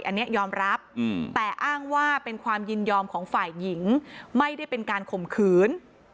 อันนี้ยอมรับแต่อ้างว่าเป็นความยินยอมของฝ่ายหญิงไม่ได้เป็นการข่มขืน